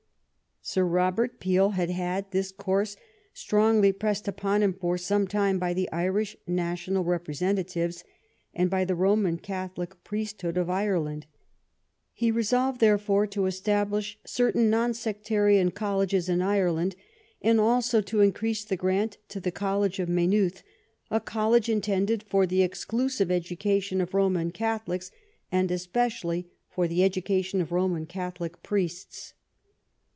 Sir Robert Peel had had this course strongly pressed upon him for some time by the Irish National Rep resentatives and by the Roman Catholic priest hood of Ireland. He resolved, therefore, to estab lish certain non sectarian colleges in Ireland, and also to increase the grant to the College of May nooth, a college intended for the exclusive educa tion of Roman Catholics and especially for the 90 THE STORY OF GLADSTONE'S LIFE education of Roman Catholic priests.